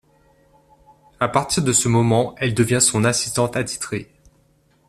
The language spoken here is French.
À partir de ce moment, elle devient son assistante attitrée.